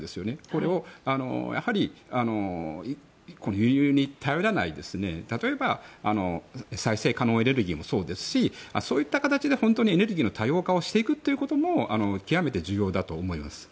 これを輸入に頼らない例えば、再生可能エネルギーもそうですしそういった形でエネルギーの多様化をしていくということも極めて重要だと思います。